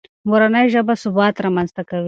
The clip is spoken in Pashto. مورنۍ ژبه ثبات رامنځته کوي.